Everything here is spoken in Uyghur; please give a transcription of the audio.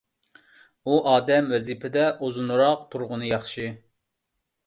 ئۇ ئادەم ۋەزىپىدە ئۇزۇنراق تۇرغىنى ياخشى.